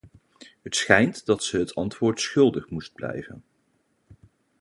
Het schijnt dat ze het antwoord schuldig moest blijven.